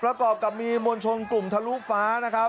ประกอบกับมีมวลชนกลุ่มทะลุฟ้านะครับ